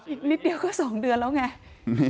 อีกนิดเดียวก็๒เดือนแล้วไง